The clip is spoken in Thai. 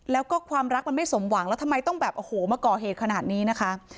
แล้วก็ความรักมันไม่สมหวังแล้วทำไมต้องแบบโอ้โหมาก่อเหตุขนาดนี้นะคะ